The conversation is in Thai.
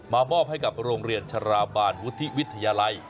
มอบให้กับโรงเรียนชราบาลวุฒิวิทยาลัย